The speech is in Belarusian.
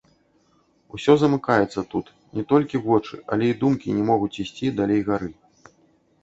Усё замыкаецца тут, не толькі вочы, але і думкі не могуць ісці далей гары.